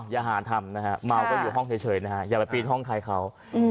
อย่าห่านทำมาวก็อยู่ห้องเฉยอย่าไปปีนห้องใครเขา